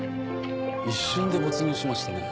一瞬で没入しましたね。